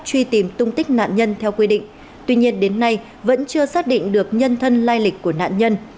truy tìm tung tích nạn nhân theo quy định tuy nhiên đến nay vẫn chưa xác định được nhân thân lai lịch của nạn nhân